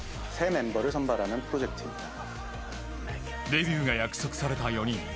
デビューが約束された４人。